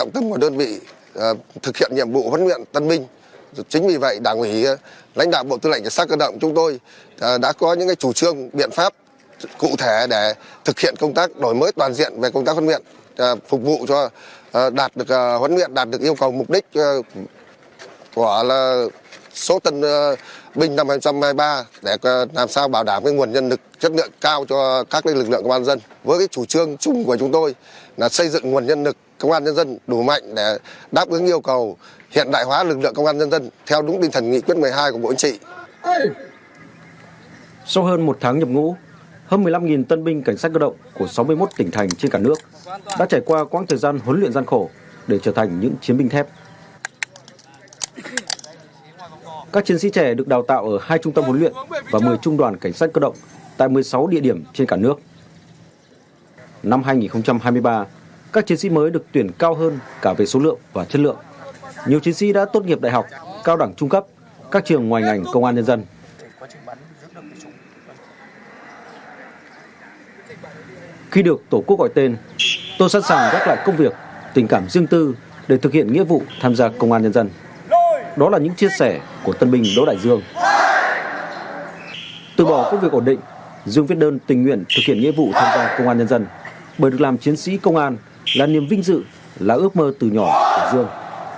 từ bỏ công việc ổn định dương viết đơn tình nguyện thực hiện nhiệm vụ tham gia công an nhân dân bởi được làm chiến sĩ công an là niềm vinh dự là ước mơ từ nhỏ của dương